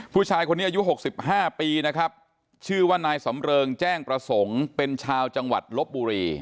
ผู้ชายคนนี้อายุ๖๕ปีนะครับชื่อว่านายสำเริงแจ้งประสงค์เป็นชาวจังหวัดลบบุรี